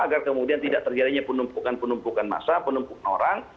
agar kemudian tidak terjadinya penumpukan penumpukan massa penumpukan orang